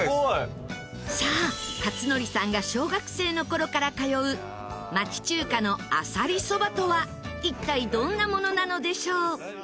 さあ克典さんが小学生の頃から通う町中華のあさりそばとは一体どんなものなのでしょう？